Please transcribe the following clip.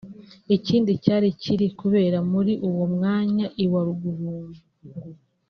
ikindi cyari kiri kubera muri uwo mwanya I Walungu